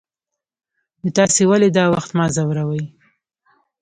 نو تاسې ولې دا وخت ما ځوروئ.